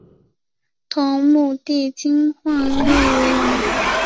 同母弟金晃立为王。